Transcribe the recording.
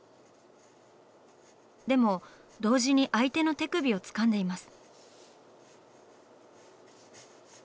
でも同時に相手の手首をつかんでいます。